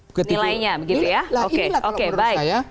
nilainya begitu ya oke oke baik